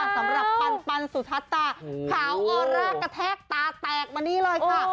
สำหรับปันสุทัศน์ขาวออร่ากระแทกตาแตกมานี่เลยค่ะ